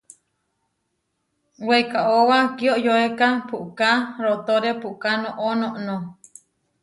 Weikáoba kiioyoéka puʼká rootóre puʼká noʼó noʼnó.